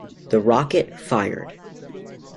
The rocket fired.